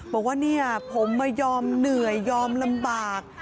บอกว่าเนี่ยผมมายอมเหนื่อยยอมลำบาก